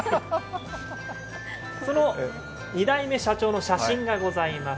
その２代目社長の写真がございます